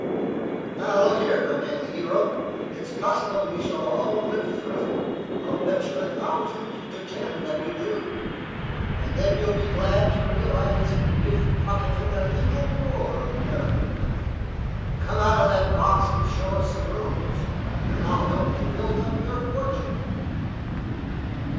Now, look here, my manly hero. It's possible we shall all live through it; I'll bet you a thousand to ten that we do. And then you'll be glad to realize you've pocketed a little more American money. Come out of that box and show us some rooms, and I'll help to build up your fortune."